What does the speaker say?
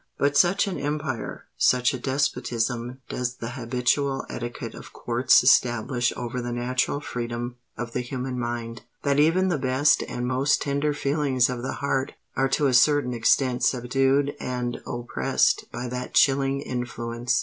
But such an empire—such a despotism does the habitual etiquette of Courts establish over the natural freedom of the human mind, that even the best and most tender feelings of the heart are to a certain extent subdued and oppressed by that chilling influence.